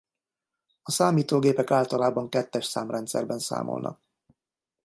A számítógépek általában kettes számrendszerben számolnak.